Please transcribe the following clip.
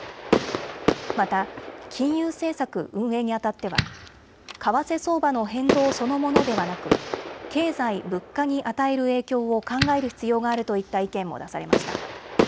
また金融政策運営にあたっては為替相場の変動そのものではなく経済・物価に与える影響を考える必要があるといった意見も出されました。